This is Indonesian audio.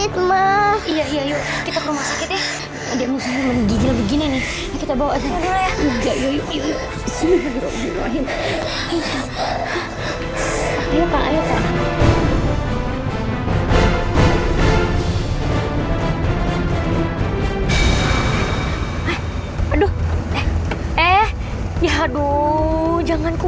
tunggu tunggu ya nak